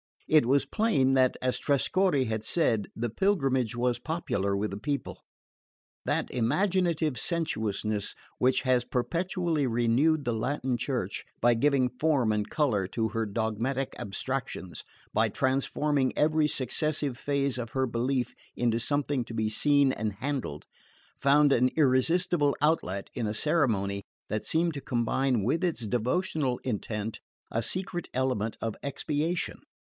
It was plain that, as Trescorre had said, the pilgrimage was popular with the people. That imaginative sensuousness which has perpetually renewed the Latin Church by giving form and colour to her dogmatic abstractions, by transforming every successive phase of her belief into something to be seen and handled, found an irresistible outlet in a ceremony that seemed to combine with its devotional intent a secret element of expiation.